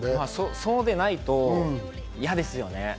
そうでないと嫌ですよね。